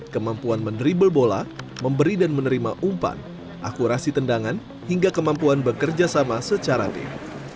kemampuan menerible bola memberi dan menerima umpan akurasi tendangan hingga kemampuan bekerja sama secara tim